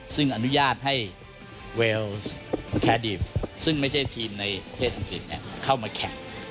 ซึ่งอนุญาตให้เวลสแคดีฟซึ่งไม่ใช่ทีมในประเทศอังกฤษเข้ามาแข่ง